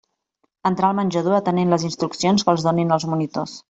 Entrar al menjador atenent les instruccions que els donin els monitors.